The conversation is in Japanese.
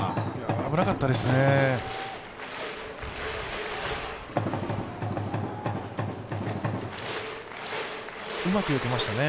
危なかったですね。